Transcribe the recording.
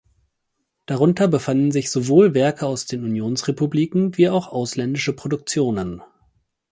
Darunter befanden sich sowohl Werke aus den Unionsrepubliken wie auch ausländische Produktionen.